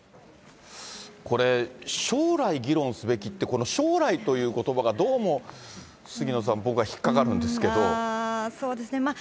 これ、将来議論すべきって、この将来ということばがどうも杉野さん、そうですね。